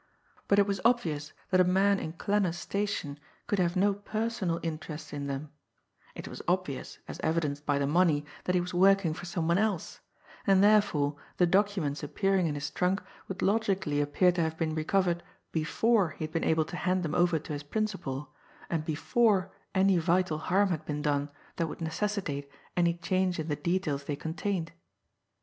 But it was obvious that a man in Klanner's station could have no personal interest in them; it was obvious, as evidenced by the money, that he was working for some one else, and therefore the documents appearing in his trunk would logically appear to have been recovered before he had been able to hand them over to his principal, and before any vital harm had been done that would necessitate any change in the details they contained.